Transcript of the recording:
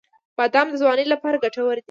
• بادام د ځوانۍ لپاره ګټور دی.